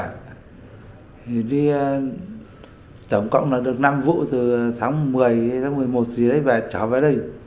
thì đi tổng cộng là được năm vụ từ tháng một mươi hay tháng một mươi một thì lấy về trả về đây